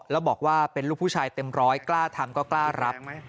แล้วบอกว่าเป็นลูกผู้ชายเต็มร้อยกล้าทำก็กล้ารับ